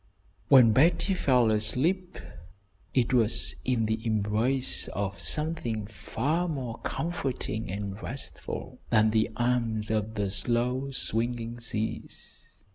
When Betty fell asleep it was in the embrace of something far more comforting and restful than the "arms of the slow swinging seas."